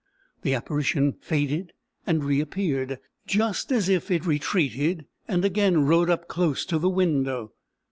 The apparition faded and reappeared, just as if it retreated, and again rode up close to the window.